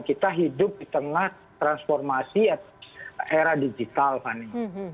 kita hidup di tengah transformasi era digital fani